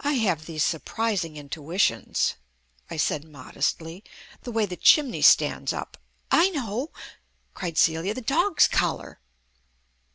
"I have these surprising intuitions," I said modestly. "The way the chimneys stand up " "I know," cried Celia. "The dog's collar."